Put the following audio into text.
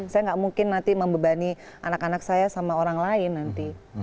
saya nggak mungkin nanti membebani anak anak saya sama orang lain nanti